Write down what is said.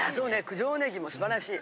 九条ねぎも素晴らしい。